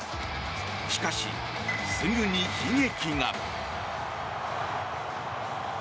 しかし、すぐに悲劇が。